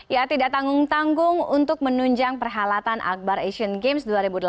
ya tidak tanggung tanggung untuk menunjang perhelatan akbar asian games dua ribu delapan belas